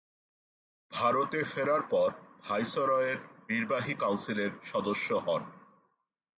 ভারতে ফেরার পর ভাইসরয়ের নির্বাহী কাউন্সিলের সদস্য হন।